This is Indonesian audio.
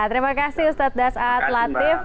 terima kasih ustaz das'ad latif